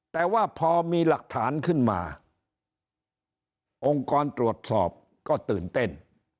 แต่ว่าพอมีหลักฐานขึ้นมาองค์กรตรวจสอบก็ตื่นเต้น